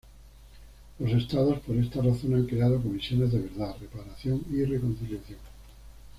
Los estados, por esta razón, han creado comisiones de verdad, reparación y reconciliación.